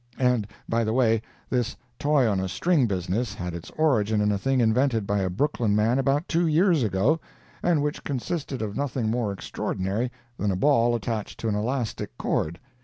And, by the way, this toy on a string business had its origin in a thing invented by a Brooklyn man about two years ago, and which consisted of nothing more extraordinary than a ball attached to an elastic cord.